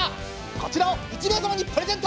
こちらを１名様にプレゼント！